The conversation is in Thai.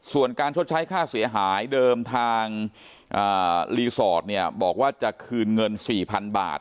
ส่วนการชดใช้ค่าเสียหายเดิมทางรีสอร์ทเนี่ยบอกว่าจะคืนเงิน๔๐๐๐บาท